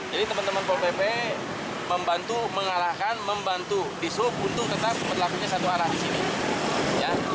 jadi teman teman satpol pp membantu mengalahkan membantu di sub untuk tetap berlakunya satu arah di sini